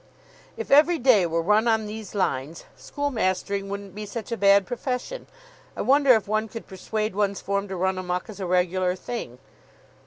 "If every day were run on these lines, school mastering wouldn't be such a bad profession. I wonder if one could persuade one's form to run amuck as a regular thing."